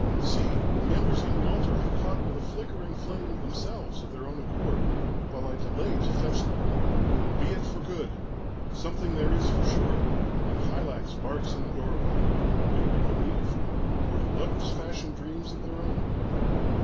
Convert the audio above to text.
_ "See! the embers on the altar have caught with a flickering flame, themselves, of their own accord, while I delay to fetch them. Be it for good! something there is for sure; and Hylax barks in the doorway. May we believe? or do lovers fashion dreams of their own?